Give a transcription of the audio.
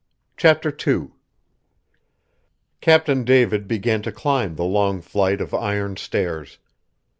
CHAPTER II Captain David began to climb the long flight of iron stairs.